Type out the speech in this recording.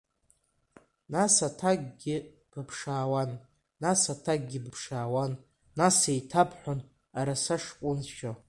Нас аҭакгьы быԥшаауан, нас аҭакгьы быԥшаауан, нас еиҭабҳәон араса шҟәыншьо!